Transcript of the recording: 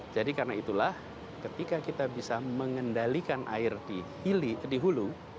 jadi karena itulah ketika kita bisa mengendalikan air di hulu